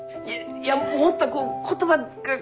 いやもっとこう言葉が。